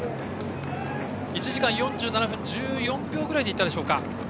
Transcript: １時間４７分１４秒ぐらいで行ったでしょうか。